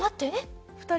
２人。